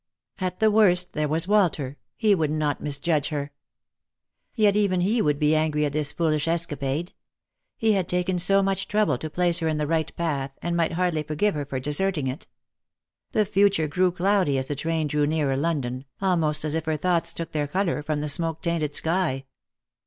At the worst there was Walter — he would not misjudge her. Yet even he would be angry at this foolish escapade. He had taken so much trouble to place her in the right path, and might hardly forgive her for deserting it. The future grew cloudy as the train drew nearer London, almost as if her thoughts took their colour from the smoke tainted sky.